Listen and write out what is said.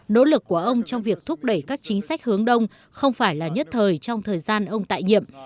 nỗ lực của ông trong việc thúc đẩy các chính sách hướng đông không phải là nhất thời trong thời gian ông tại nhiệm